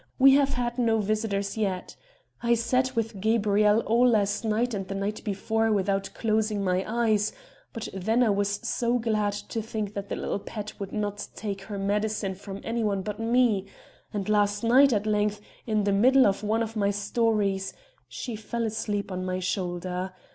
we have had no visitors yet. I sat with Gabrielle all last night and the night before without closing my eyes; but then I was so glad to think that the little pet would not take her medicine from anyone but me; and last night, at length, in the middle of one of my stories, she fell asleep on my shoulder.